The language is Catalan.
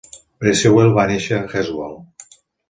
Bracewell va néixer a Heswall.